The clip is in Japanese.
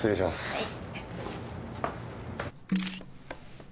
はい。